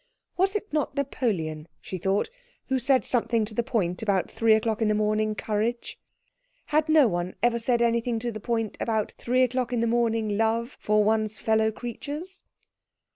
Was it not Napoleon, she thought, who said something to the point about three o'clock in the morning courage? Had no one ever said anything to the point about three o'clock in the morning love for one's fellow creatures?